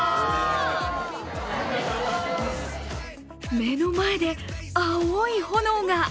目の前で青い炎が。